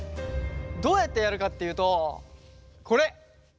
どうやってやるかっていうとこれ。